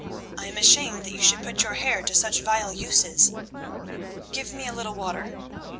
I am ashamed that you should put your hair to such vile uses. Give me a little water."